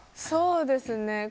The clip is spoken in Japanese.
そうですね。